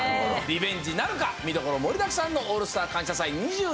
リベンジなるか、見どころ盛りだくさんの「オールスター感謝祭」